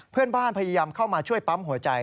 เพื่อนบ้านพยายามเข้ามาช่วยปั๊มหัวใจ